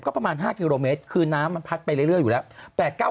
ก็ประมาณ๕กิโลเมตรคือน้ำมันพัดไปเรื่อยอยู่แล้ว